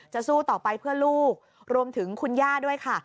สู้ต่อไปเพื่อลูกรวมถึงคุณย่าด้วยค่ะ